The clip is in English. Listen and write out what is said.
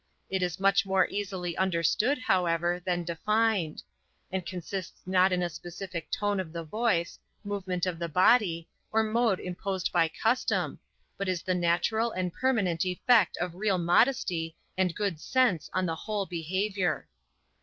It is much more easily understood, however than defined; and consists not in a specific tone of the voice, movement of the body, or mode imposed by custom, but is the natural and permanent effect of real modesty and good sense on the whole behavior.